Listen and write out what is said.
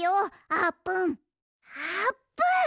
あーぷん！